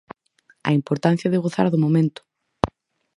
A importancia de gozar do momento.